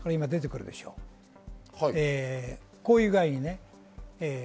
こういう具合です。